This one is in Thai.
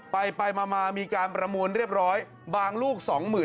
ไปมามีการประมูลเรียบร้อยบางลูก๒๐๐๐